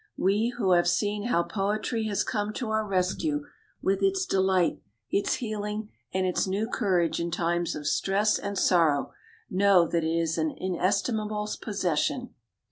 We who have seen how poetry has come to our rescue with its delight, its healing, and its new courage in times of stress and sorrow, know that it is an inestimable possession.